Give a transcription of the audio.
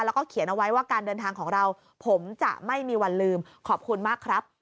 แล้วก็เขียนเอาไว้ว่าการเดินทางของเราผมจะไม่มีวันลืมขอบคุณมากครับ